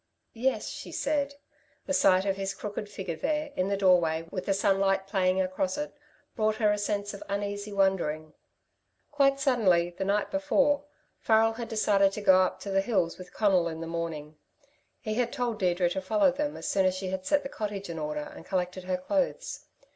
"Yes," she said. The sight of his crooked figure there, in the doorway, with the sunlight playing across it, brought her a sense of uneasy wondering. Quite suddenly, the night before, Farrel had decided to go up to the hills with Conal in the morning. He had told Deirdre to follow them as soon as she had set the cottage in order and collected her clothes.